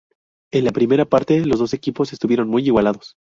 En la primera parte los dos equipos estuvieron muy igualados.